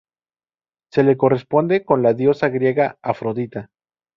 Se le corresponde con la Diosa griega Afrodita.